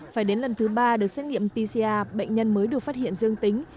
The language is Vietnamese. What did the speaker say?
phải đến lần thứ ba được xét nghiệm pcr bệnh nhân mới được phát hiện dương tính